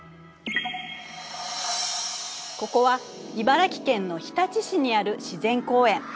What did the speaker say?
ここは茨城県の日立市にある自然公園。